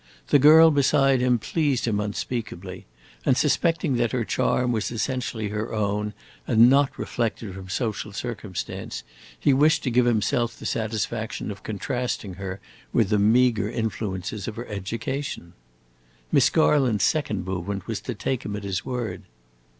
The girl beside him pleased him unspeakably, and, suspecting that her charm was essentially her own and not reflected from social circumstance, he wished to give himself the satisfaction of contrasting her with the meagre influences of her education. Miss Garland's second movement was to take him at his word.